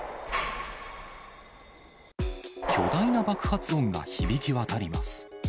巨大な爆発音が響き渡ります。